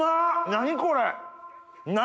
何これ⁉何？